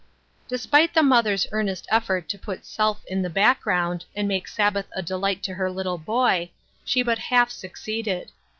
Despite the mother's earnest effort to put self in the background, and make the Sabbath a delight to her little hoy, she but half succeeded.